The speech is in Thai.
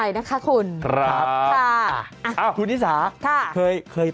นี่เลี้ยงยากเนอะเลี้ยงทีเดียวสองคน